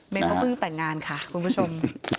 เขาเพิ่งแต่งงานค่ะคุณผู้ชม